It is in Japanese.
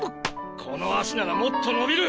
この脚ならもっと伸びる！